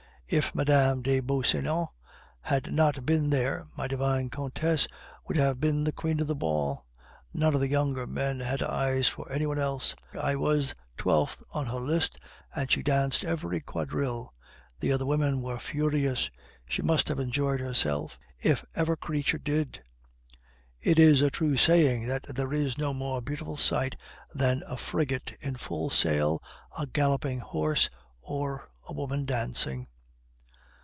"If Mme. de Beauseant had not been there, my divine countess would have been the queen of the ball; none of the younger men had eyes for any one else. I was the twelfth on her list, and she danced every quadrille. The other women were furious. She must have enjoyed herself, if ever creature did! It is a true saying that there is no more beautiful sight than a frigate in full sail, a galloping horse, or a woman dancing."